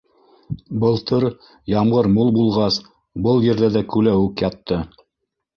Былтыр, ямғыр мул булғас, был ерҙәрҙә күләүек ятты.